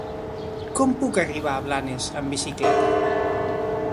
Com puc arribar a Blanes amb bicicleta?